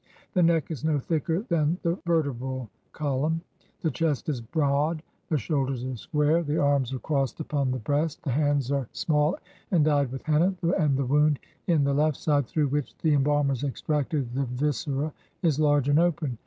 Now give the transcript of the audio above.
The neck is no thicker than the vertebral column. The chest is broad; tlie shoulders are square; the arms are crossed upon the breast; the hands are small and dyed with henna; and the wound in the left side, through which the embalmers extracted the 175 EGYPT viscera, is large and open.